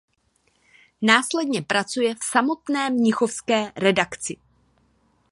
Následně pracuje v samotné mnichovské redakci.